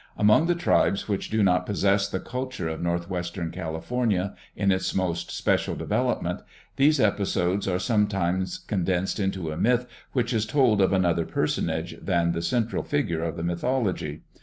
Among the tribes which do not possess the culture of northwestern California in its most special development, these episodes are sometimes con densed into a myth which is told of another personage than the central figure of the mythology.